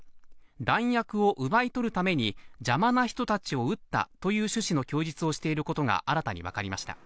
弾薬を奪い取るために邪魔な人たちを撃ったという趣旨の供述をしていることが新たにわかりました。